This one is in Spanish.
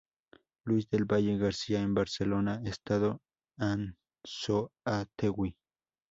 Luis del Valle García en Barcelona, Estado Anzoátegui.